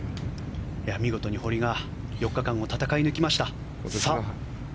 見事に堀が４日間を戦い抜きました。